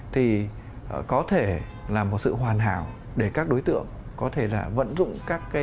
thì có thể là một sự hoàn hảo để các đối tượng có thể là vận dụng các cái